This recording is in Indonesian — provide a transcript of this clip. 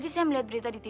di masa filemny nell said